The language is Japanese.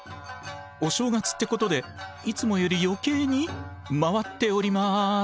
お正月ってことでいつもより余計に回っております。